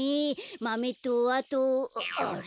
マメとあとあれ？